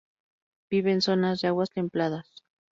Vive en zonas de aguas templadas.